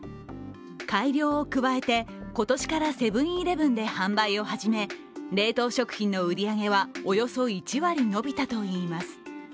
改良を加えて、今年からセブン−イレブンで販売を始め冷凍食品の売り上げは、およそ１割伸びたといいます。